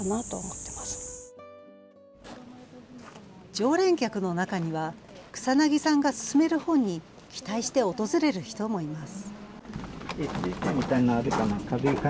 常連客の中には草薙さんが薦める本に期待して訪れる人もいます。